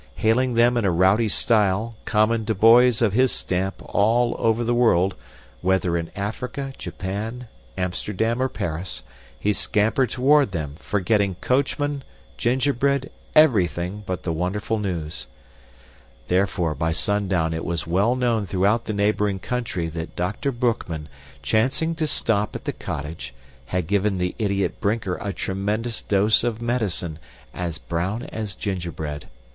Hailing them in a rowdy style, common to boys of his stamp all over the world, weather in Africa, Japan, Amsterdam, or Paris, he scampered toward them, forgetting coachman, gingerbread, everything but the wonderful news. Therefore, by sundown it was well known throughout the neighboring country that Dr. Boekman, chancing to stop at the cottage, had given the idiot Brinker a tremendous dose of medicine, as brown as gingerbread.